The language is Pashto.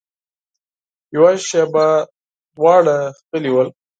يوه شېبه دواړه غلي ول.